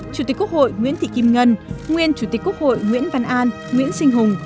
chủ tịch quốc hội nguyễn thị kim ngân nguyên chủ tịch quốc hội nguyễn văn an nguyễn sinh hùng